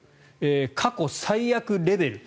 過去最悪レベル。